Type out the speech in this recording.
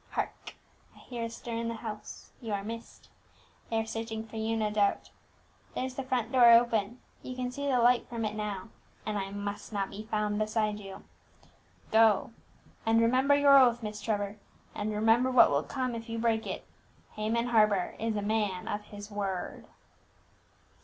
Hark! I hear a stir in the house; you are missed; they are searching for you no doubt. There's the front door open, you can see the light from it now; and I must not be found beside you. Go, and remember your oath, Miss Trevor; and remember what will come if you break it. Haman Harper is a man of his word!"